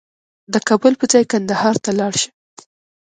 د کابل په ځای کندهار ته لاړ شه